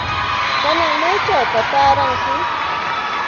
¿Kanan maychawta taaranki?